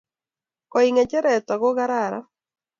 Koi ngecheret ako kararan